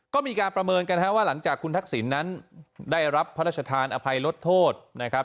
ก็มีการประเมินกันว่าหลังจากคุณทักษิณนั้นได้รับพระราชทานอภัยลดโทษนะครับ